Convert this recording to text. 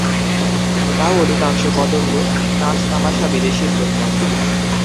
তাও অধিকাংশ কদর্য নাচ-তামাসা বিদেশীর জন্য।